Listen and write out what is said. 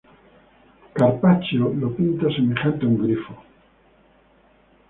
Carpaccio lo pinta semejante a un grifo.